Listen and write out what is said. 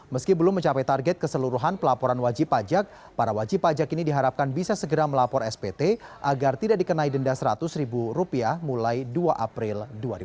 meski belum mencapai target keseluruhan pelaporan wajib pajak para wajib pajak ini diharapkan bisa segera melapor spt agar tidak dikenai denda rp seratus mulai dua april dua ribu dua puluh